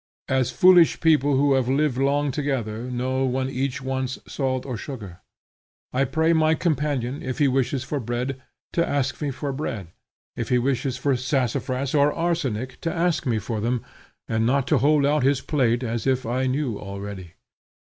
as foolish people who have lived long together know when each wants salt or sugar. I pray my companion, if he wishes for bread, to ask me for bread, and if he wishes for sassafras or arsenic, to ask me for them, and not to hold out his plate as if I knew already.